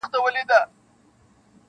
یوه بله کښتۍ ډکه له ماهیانو-